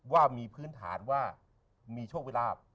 ว่ามีพื้นฐานว่ามีโชคมีลาบ